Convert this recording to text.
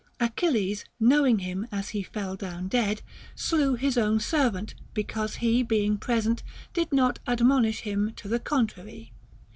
Achilles, knowing him as he fell down dead, slew his own servant, because he being present did not admonish him to the contrary.